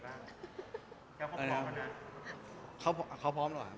มันถามอย่างนี้ได้ด้วยหรอครับ